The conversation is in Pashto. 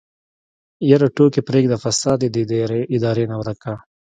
يره ټوکې پرېده فساد دې د ادارې نه ورک که.